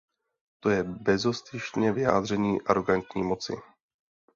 To je bezostyšné vyjádření arogantní moci!